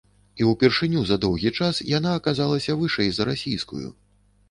І ўпершыню за доўгі час яна аказалася вышэй за расійскую.